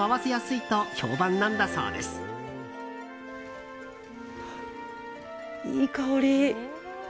いい香り。